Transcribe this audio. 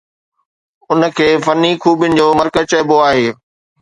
ان کي فني خوبين جو مرقع چئبو آهي